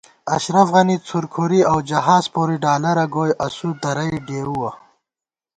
اشرف غنی څُرکھُری اؤ جہاز پوری ڈالرہ گوئی اسُو درَئی ڈېؤوَہ